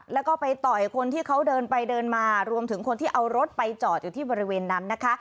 แล้วก็ไปต่อยคนที่เขาเดินไปเดินมารวมถึงคนที่เอารถไปจอดอยู่ที่บริเวณนั้นนะคะ